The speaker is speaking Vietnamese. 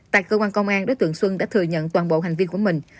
tại cơ quan công an đối tượng xuân đã thừa nhận toàn bộ hành vi của mình